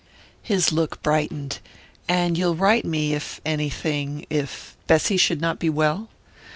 His look brightened. "And you'll write me if anything if Bessy should not be well?"